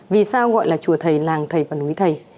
vì sao gọi là chùa thầy làng thầy và núi thầy